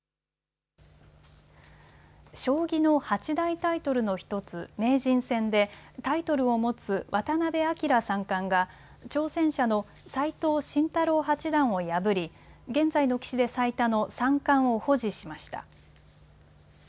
将棋の八大タイトルの１つ、名人戦でタイトルを持つ渡辺明三冠が挑戦者の斎藤慎太郎八段を破り現在の棋士で最多の三冠を保持しました。